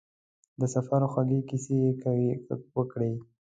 د سفر خوږې کیسې یې وکړې.